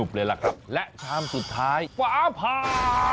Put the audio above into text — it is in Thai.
เลยล่ะครับและชามสุดท้ายฟ้าผ่า